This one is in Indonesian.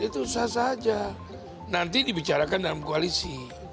itu sah saja nanti dibicarakan dalam koalisi